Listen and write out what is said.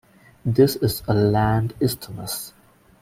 This is a land isthmus.